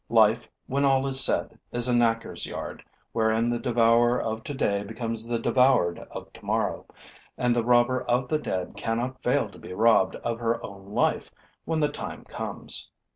Life, when all is said, is a knacker's yard wherein the devourer of today becomes the devoured of tomorrow; and the robber of the dead cannot fail to be robbed of her own life when the time comes.